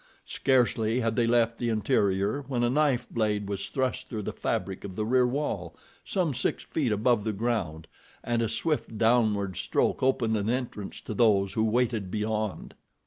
Scarcely had they left the interior when a knife blade was thrust through the fabric of the rear wall, some six feet above the ground, and a swift downward stroke opened an entrance to those who waited beyond.